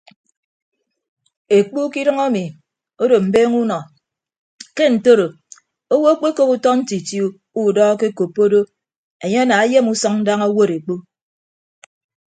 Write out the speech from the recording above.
Ekpu ke idʌñ emi odo mbeeñe unọ ke ntoro owo akpekop utọ ntiti udọ akekoppo do enye ana ayem usʌñ daña owod ekpu.